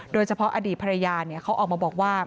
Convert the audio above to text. โดยเฉพาะอดีตภรรยาเขาออกมาบอกว่า